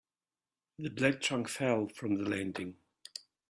The black trunk fell from the landing.